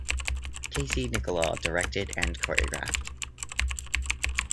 Casey Nicholaw directed and choreographed.